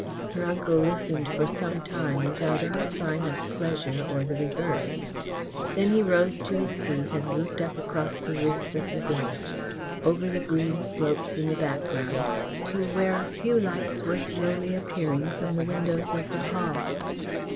Her uncle listened for some time without any sign of pleasure or the reverse. Then he rose to his feet and looked up across the roofs of the village, over the green slopes in the background, to where a few lights were slowly appearing from the windows of the Hall.